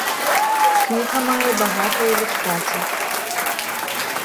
Кніга мае багата ілюстрацый.